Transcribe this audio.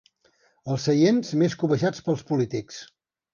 Els seients més cobejats pels polítics.